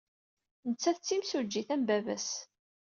Nettat d timsujjit am baba-s.